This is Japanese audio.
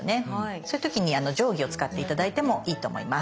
そういう時に定規を使って頂いてもいいと思います。